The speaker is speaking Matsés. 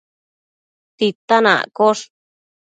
titan accosh